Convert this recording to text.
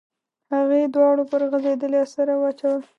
هغې دواړه پر غځېدلې اسره واچول.